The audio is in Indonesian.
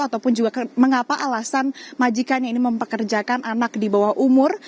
ataupun juga mengapa alasan majikannya ini mempekerjakan anak di bawah umur